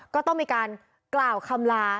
ก็ต้องมีการกล่าวคำลา